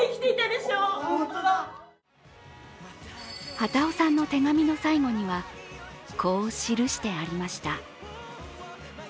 幡男さんの手紙の最後にはこう記してありました。